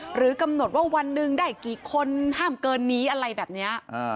หรือกำหนดว่าวันหนึ่งได้กี่คนห้ามเกินนี้อะไรแบบนี้